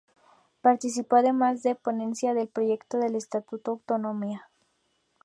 Participó además en la Ponencia del proyecto de Estatuto de Autonomía.